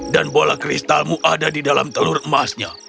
dan bola kristalmu ada di dalam telur emasnya